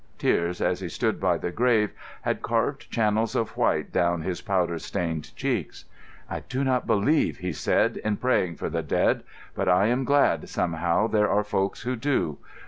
Tears, as he stood by the grave, had carved channels of white down his powder stained cheeks. "I do not believe," he said, "in praying for the dead. But I am glad, somehow, there are folks who do.